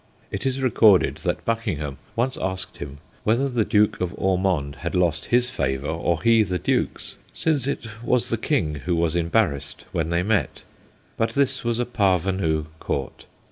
It is recorded that Buckingham once asked him whether the Duke of Ormonde had lost his favour or he the Duke's, since it was the King who was embarrassed when they met. But this was a parvenu Court.